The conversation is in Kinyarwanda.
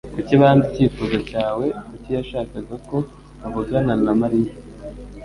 Kuki banze icyifuzo cyawe? Kuki yashakaga ko uvugana na Mariya?